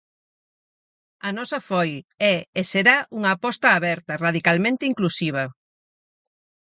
A nosa foi, é e será unha aposta aberta, radicalmente inclusiva.